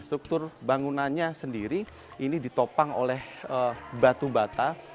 struktur bangunannya sendiri ini ditopang oleh batu bata